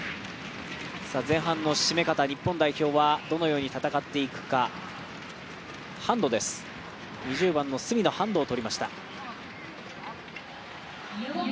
前半の締め方、日本代表はどのように戦っていくか、ハンドです、２０番の角のハンドをとりました。